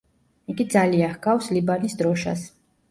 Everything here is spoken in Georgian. იგი ძალიან ჰგავს ლიბანის დროშას.